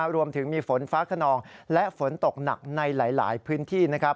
รวมถึงมีฝนฟ้าขนองและฝนตกหนักในหลายพื้นที่